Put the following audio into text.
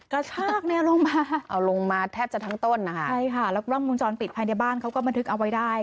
กระชากเนี่ยลงมาเอาลงมาแทบจะทั้งต้นนะคะใช่ค่ะแล้วกล้องมุมจรปิดภายในบ้านเขาก็บันทึกเอาไว้ได้